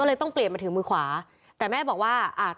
เลยต้องเปลี่ยนมาถึงมือขวาแต่แม่บอกว่าอ่า